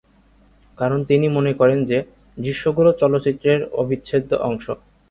কারন তিনি মনে করেন যে দৃশ্যগুলো চলচ্চিত্রের অবিচ্ছেদ্য অংশ।